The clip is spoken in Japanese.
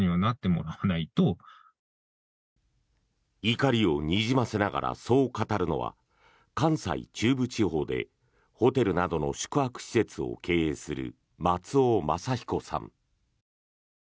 怒りをにじませながらそう語るのは関西・中部地方でホテルなどの宿泊施設を経営する松尾政彦さん。